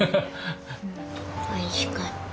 おいしかった。